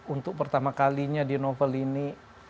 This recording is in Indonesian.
untuk pertama kalinya di novel ini